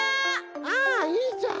ああいいじゃん。